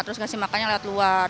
terus ngasih makannya lewat luar